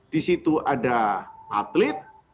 di situ ada atlet